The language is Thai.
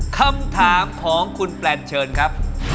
คำถามของคุณแปลนเชิญครับ